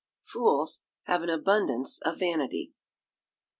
[FOOLS HAVE AN ABUNDANCE OF VANITY.